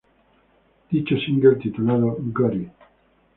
Dicho single, titulado, "Got it!